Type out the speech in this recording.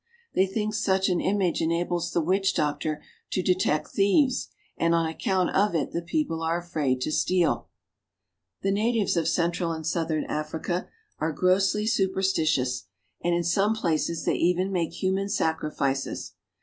They think such an image enables the witch doctor to detect thieves, and on account of it the people are afraid to steal. The natives of central and southern Africa are grossly superstitious, and in some places they even make human sacrifices.